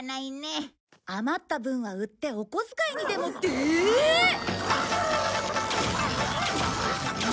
余った分は売ってお小遣いにでもってえーっ！？